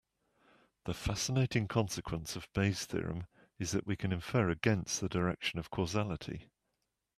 The fascinating consequence of Bayes' theorem is that we can infer against the direction of causality.